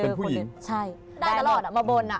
เป็นผู้หญิงใช่ได้เหรอมาบ่น